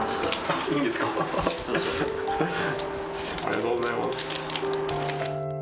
ありがとうございます。